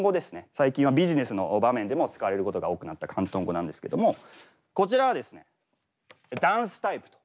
最近はビジネスの場面でも使われることが多くなった広東語なんですけどもこちらはですね「ダンスタイプ」と。